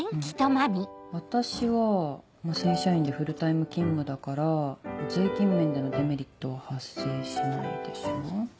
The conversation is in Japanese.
私は正社員でフルタイム勤務だから税金面でのデメリットは発生しないでしょ。